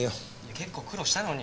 結構苦労したのに。